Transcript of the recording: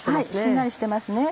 しんなりしてますね。